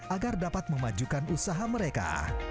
agar dapat memajukan usaha mereka